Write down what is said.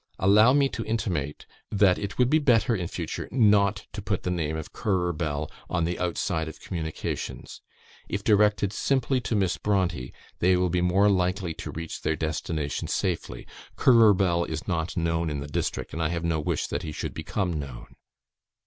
Allow me to intimate that it would be better in future not to put the name of Currer Bell on the outside of communications; if directed simply to Miss Brontë they will be more likely to reach their destination safely. Currer Bell is not known in the district, and I have no wish that he should become known.